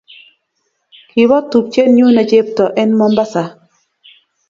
Kibot tupchenyu ne chepto eng' Mombasa